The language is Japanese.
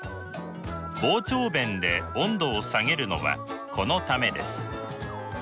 膨張弁で温度を下げるのはこのためです。